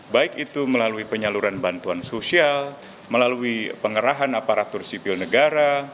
baik itu melalui penyaluran bantuan sosial melalui pengerahan aparatur sipil negara